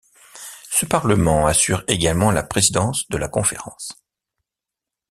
Ce parlement assure également la présidence de la Conférence.